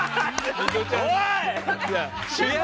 おい！